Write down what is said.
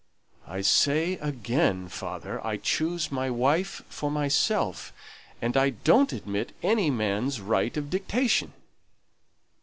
"I say again, father, I choose my wife for myself, and I don't admit any man's right of dictation."